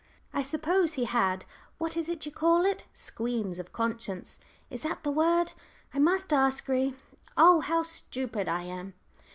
I suppose he had what is it you call it? squeams of conscience, is that the word? I must ask Re oh, how stupid I am!